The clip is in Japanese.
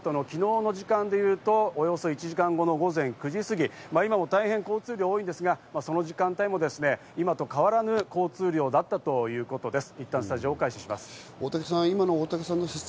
その時間がこの後の、昨日の時間で言うと、およそ１時間後の午前９時すぎ、今は大変交通量が多いんですけれども、その時間帯も今と変わらぬ交通量だったということです。